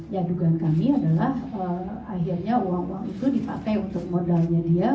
ya dugaan kami adalah akhirnya uang uang itu dipakai untuk modalnya dia